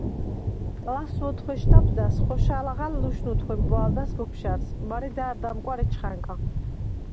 კლასს უ̂ოდ ხუ̂ეშდაბდა̈ს, ხოშალაღა̈ლ ლუშნუდ ხუ̂ებუ̂ა̄ლდა̈ს ბოფშა̈რს მარე ,და̄̈რდ ამკუ̂ა̈რ ეჩხა̈ნა!